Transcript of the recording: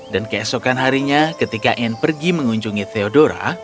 dan keesokan harinya ketika anne pergi mengunjungi theodora